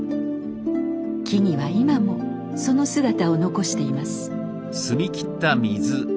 木々は今もその姿を残しています。